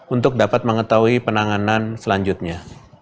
untuk dapat mengetahui penanganan selanjutnya